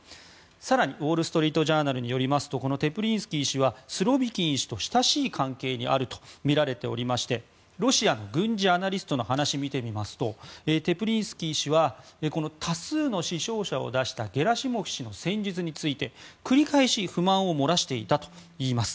更にウォール・ストリート・ジャーナルによりますとこのテプリンスキー氏はスロビキン氏と親しい関係にあるとみられておりましてロシアの軍事アナリストの話を見てみますとテプリンスキー氏は多数の死傷者を出したゲラシモフ氏の戦術について繰り返し不満を漏らしていたといいます。